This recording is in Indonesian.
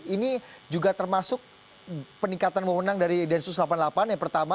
ini juga termasuk peningkatan memenang dari densus delapan puluh delapan yang pertama